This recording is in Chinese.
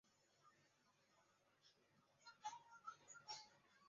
他曾经担任澳洲工业部长。